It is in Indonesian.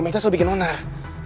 mereka selalu bikin onar